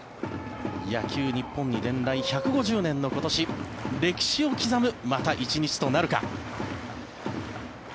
野球日本伝来１５０年の今年歴史を刻むまた１日となるか。